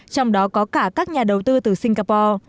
trong đó có cả các nhà đầu tư từ singapore